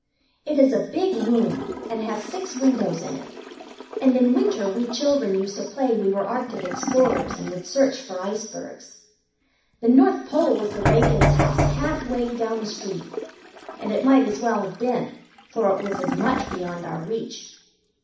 It is a big room, and has six windows in it, and in winter we children used to play we were arctic explorers and would search for icebergs. The North Pole was the Reagan's house, half way down the street, and it might as well have been, for it was as much beyond our reach.